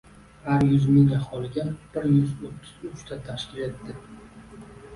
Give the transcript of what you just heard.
Har yuz ming aholiga bir yuz o'ttiz uchtani tashkil etdi.